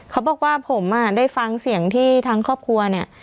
เขาบอกว่าผมอ่ะได้ฟังเสียงที่ทางครอบครัวเนี่ย